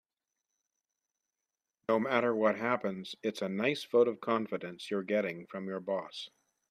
No matter what happens, it's a nice vote of confidence you're getting from your boss.